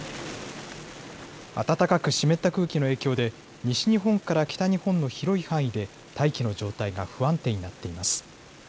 暖かく湿った空気の影響で西日本から北日本の広い範囲で大気の状態が不安定になっています。